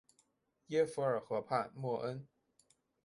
耶弗尔河畔默恩。